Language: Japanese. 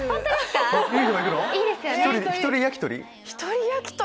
１人焼き鳥？